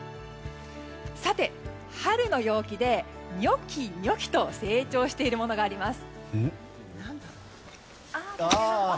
さて、春の陽気でニョキニョキと成長しているものがあります。